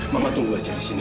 mama tunggu aja disini